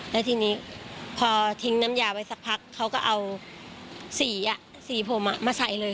แล้วทีนี้พอทิ้งน้ำยาไว้สักพักเขาก็เอาสีสีผมมาใส่เลย